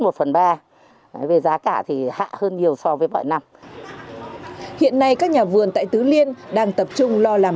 giá về giá cả thì hạ hơn nhiều so với bọn nằm hiện nay các nhà vườn tại tứ liên đang tập trung lo làm